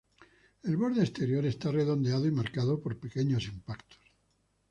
El borde exterior está redondeado y marcado por pequeños impactos.